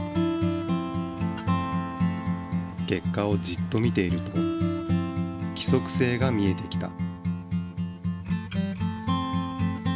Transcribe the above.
結果をじっと見ていると規則性が見えてきた。